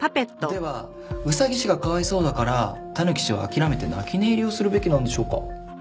ではうさぎ氏がかわいそうだからたぬき氏は諦めて泣き寝入りをするべきなんでしょうか？